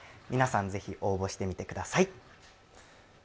皆さん、ぜひ応募してみてください。